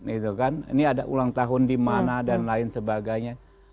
ini ada ulang tahun di mana dan lain sebagainya